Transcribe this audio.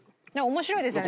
面白いですよね。